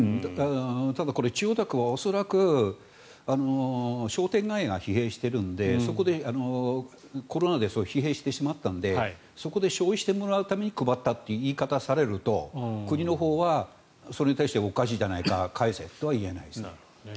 ただこれ、千代田区は恐らく商店街が疲弊しているのでコロナで疲弊してしまったのでそこで消費してもらうために配ったという言い方をされると国のほうはそれに対しておかしいじゃないか、返せとは言えないですね。